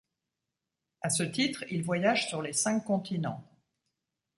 À ce titre, il voyage sur les cinq continents.